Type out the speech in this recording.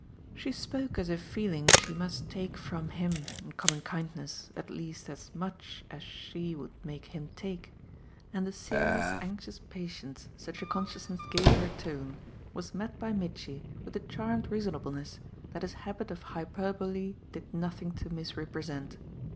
She spoke as if feeling she must take from him in common kindness at least as much as she would make him take, and the serious anxious patience such a consciousness gave her tone was met by Mitchy with a charmed reasonableness that his habit of hyperbole did nothing to misrepresent.